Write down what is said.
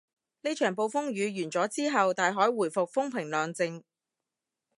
呢場暴風雨完咗之後，大海回復風平浪靜